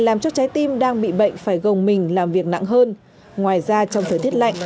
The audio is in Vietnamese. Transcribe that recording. làm cho trái tim đang bị bệnh phải gồng mình làm việc nặng hơn ngoài ra trong thời tiết lạnh